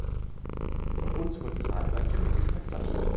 Von uns wurden dabei zahlreiche Mängel verzeichnet.